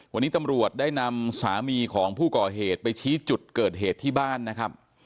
วันนี้ตำรวจได้นำสามีของผู้ก่อเหตุไปชี้จุดเกิดเหตุที่บ้านนะครับ